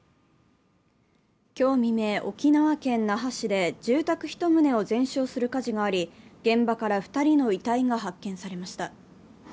今日未明、沖縄県那覇市で住宅１棟を全焼する火事があり、現場から２人の遺体が発見されました。